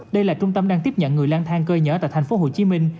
đây là trung tâm đang tiếp nhận người lan thang cơi nhở tại thành phố hồ chí minh